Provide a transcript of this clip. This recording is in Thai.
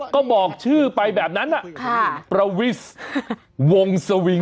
ก็บอกชื่อไปแบบนั้นประวิทย์วงสวิง